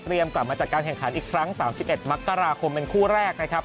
กลับมาจัดการแข่งขันอีกครั้ง๓๑มกราคมเป็นคู่แรกนะครับ